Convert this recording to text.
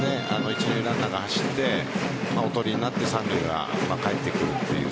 一塁ランナーが走っておとりになって三塁がかえってくるという。